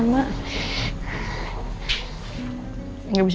gak bisa berarti sama